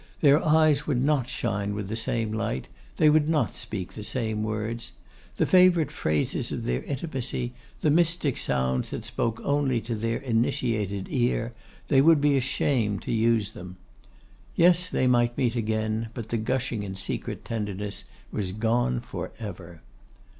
Their eyes would not shine with the same light; they would not speak the same words. The favourite phrases of their intimacy, the mystic sounds that spoke only to their initiated ear, they would be ashamed to use them. Yes, they might meet again, but the gushing and secret tenderness was gone for ever.